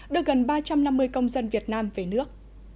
đưa gần ba trăm năm mươi công dân việt nam về nước